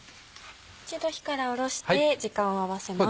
一度火から下ろして時間を合わせます。